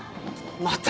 また！？